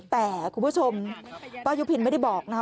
แต่คุณผู้ชมป้ายุพินไม่ได้บอกนะคะ